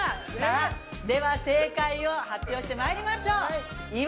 では正解を発表してまいりましょう。